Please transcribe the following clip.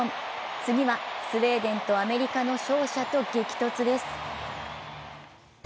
次はスウェーデンとアメリカの勝者と激突です。